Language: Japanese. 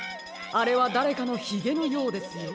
あれはだれかのヒゲのようですよ。